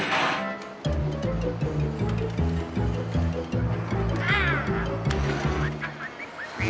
nah tes ini